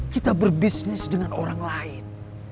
kita berbisnis dengan orang lain